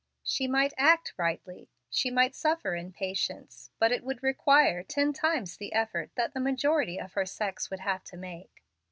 She might act rightly, she might suffer in patience, but it would require ten times the effort that the majority of her sex would have to make.